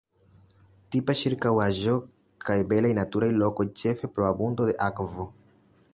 Tipa ĉirkaŭaĵo kaj belaj naturaj lokoj ĉefe pro abundo de akvo.